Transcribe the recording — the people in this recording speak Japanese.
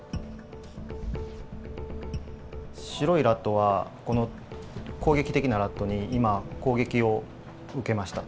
白いラットはこの攻撃的なラットに今攻撃を受けました。